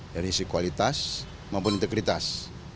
dari sikualitas maupun integritas